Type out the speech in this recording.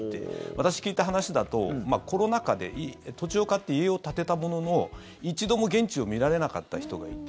私、聞いた話だとコロナ禍で土地を買って、家を建てたものの一度も現地を見られなかった人がいて。